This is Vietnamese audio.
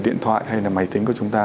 điện thoại hay là máy tính của chúng ta